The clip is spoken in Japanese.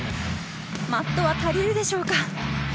マットが足りるでしょうか。